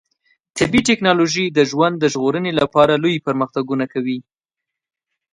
طبي ټکنالوژي د ژوند ژغورنې لپاره لوی پرمختګونه کوي.